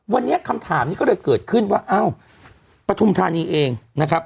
วันนี้คำถามนี้ก็เลยเกิดขึ้นว่าอ้าวปฐุมธานีเองนะครับ